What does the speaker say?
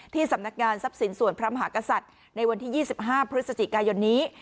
สำนักงานทรัพย์สินส่วนพระมหากษัตริย์ในวันที่๒๕พฤศจิกายนนี้